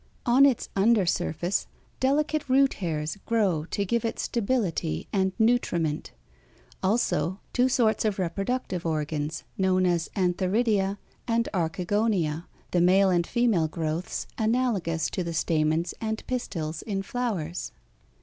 On its under surface delicate root hairs grow to give it stability and nutriment; also two sorts of reproductive organs known as antherídia and archegònia, the male and female growths analogous to the stamens and pistils in flowers.